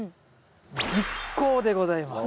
十耕でございます。